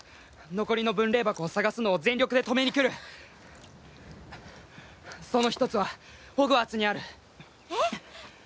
残りの分霊箱を探すのを全力で止めに来るその一つはホグワーツにあるえっ？